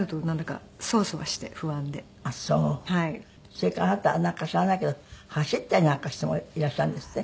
それからあなたなんか知らないけど走ったりなんかしてもいらっしゃるんですって？